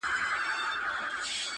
له عالمه پټ پنهان د زړه په ویر یم »-